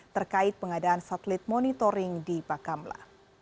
terkait pengadaan satelit monitoring di bakamla